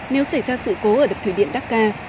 nếu xảy ra sự cố ở đập thủy điện đắc ca